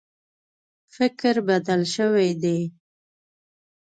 فکر بدل شوی دی.